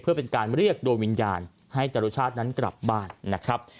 เพื่อเป็นการเรียกโดยวิญญาณให้จรุชาตินั้นกลับบ้านนะครับ